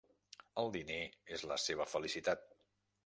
El diner és la seva felicitat.